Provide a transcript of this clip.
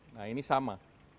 nah ini sama